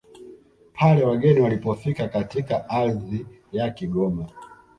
pale wageni walipofika katika ardhi ya Kigoma